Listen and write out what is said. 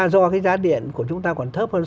do cái giá điện của chúng ta còn thấp hơn